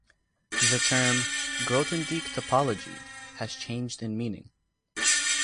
The term "Grothendieck topology" has changed in meaning.